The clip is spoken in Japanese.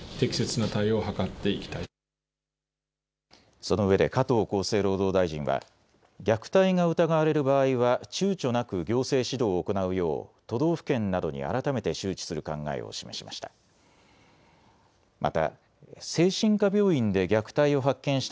そのうえで加藤厚生労働大臣は虐待が疑われる場合はちゅうちょなく行政指導を行うよう都道府県などに改めて周知する考えを示しました。